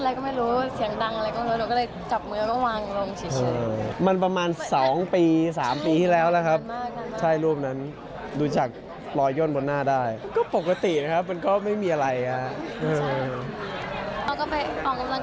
ยอมแพ้ยอมแพ้ค่ะตอนนี้พี่เลนส์ฟิสจริง